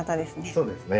そうですね。